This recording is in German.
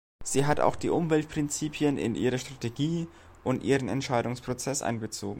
Sie hat auch die Umweltprinzipien in ihre Strategie und ihren Entscheidungsprozess einbezogen.